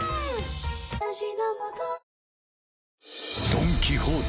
ドン・キホーテ